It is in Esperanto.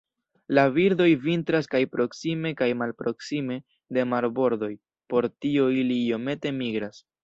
La birdoj vintras kaj proksime kaj malproksime de marbordoj, por tio ili iomete migras.